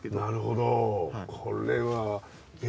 なるほどこれは。